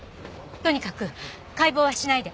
とにかく解剖はしないで！